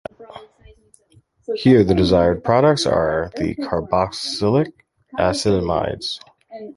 Here, the desired products are the carboxylic acid amides.